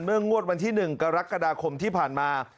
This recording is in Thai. งวดวันที่๑กรกฎาคมที่ผ่านมา